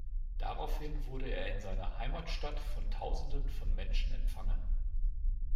Daraufhin wurde er in seiner Heimatstadt von Tausenden von Menschen empfangen.